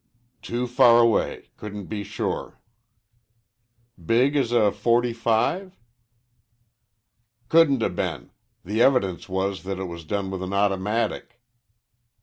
"Too far away. Couldn't be sure." "Big as a.45?" "Couldn't 'a' been. The evidence was that it was done with an automatic."